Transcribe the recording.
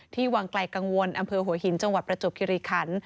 วังไกลกังวลอำเภอหัวหินจังหวัดประจวบคิริขัน